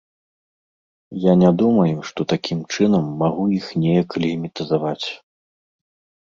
Я не думаю, што такім чынам магу іх неяк легітымізаваць.